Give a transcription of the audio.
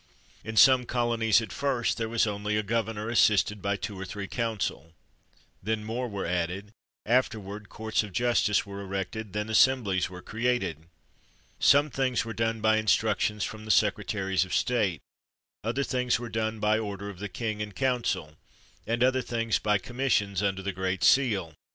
In some colonies at first there was only a gover nor assisted by two or three counsel ; then more were added; afterward courts of justice were erected; then assemblies were created. Some things were done by instructions from the secretaries of state; other things were done by order of the king and council; and other things by commissions under the great seal.